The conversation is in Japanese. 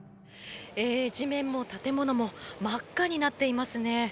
地面も建物も真っ赤になっていますね。